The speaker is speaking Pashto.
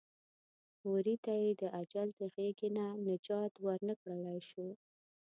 وري ته یې د اجل د غېږې نه نجات ور نه کړلی شو.